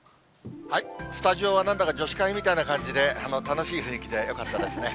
スタジオはなんだか、女子会みたいな感じで、楽しい雰囲気でよかったですね。